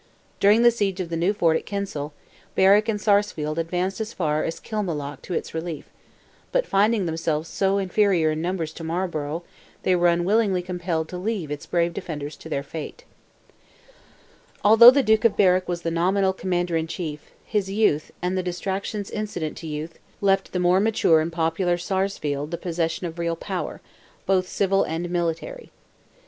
During the siege of the new fort at Kinsale, Berwick and Sarsfield advanced as far as Kilmallock to its relief, but finding themselves so inferior in numbers to Marlborough, they were unwillingly compelled to leave its brave defenders to their fate, Although the Duke of Berwick was the nominal Commander in Chief, his youth, and the distractions incident to youth, left the more mature and popular Sarsfield the possession of real power, both civil and military.